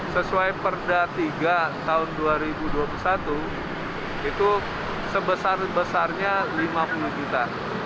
sesuai perda tiga tahun dua ribu dua puluh satu itu sebesar besarnya lima puluh juta